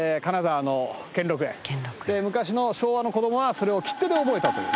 で昔の昭和の子供はそれを切手で覚えたという。